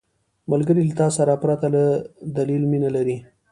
ملګری له تا سره پرته له دلیل مینه لري